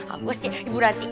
awas ya ibu ranti